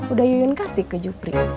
udah yuyun kasih ke jupri